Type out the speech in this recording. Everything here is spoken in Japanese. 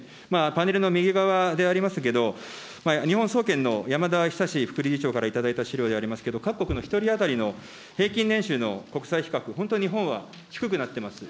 パネルの右側でありますけど、日本総研のやまだひさし副理事長から頂いた資料でありますけれども、各国の１人当たりの平均年収の国際比較、本当、日本は低くなってます。